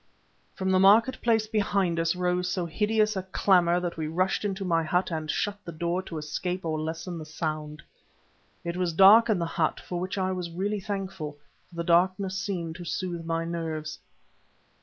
From the market place behind us rose so hideous a clamour that we rushed into my hut and shut the door to escape or lessen the sound. It was dark in the hut, for which I was really thankful, for the darkness seemed to soothe my nerves.